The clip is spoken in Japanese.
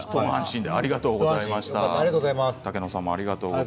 ありがとうございます。